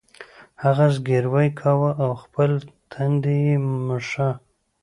هغه زګیروی کاوه او خپل تندی یې مښه